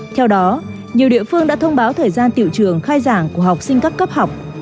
theo đó nhiều địa phương đã thông báo thời gian tiểu trường khai giảng của học sinh các cấp học